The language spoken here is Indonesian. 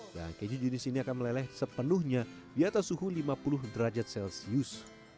dan keju jenis ini akan meleleh sepenuhnya di atas suhu lima puluh derajat celcius